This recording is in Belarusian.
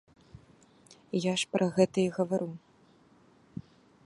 Я ж пра гэта і гавару.